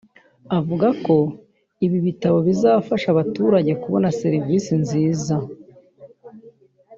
avuga ko ibi bitabo bizafasha abaturage kubona serivisi nziza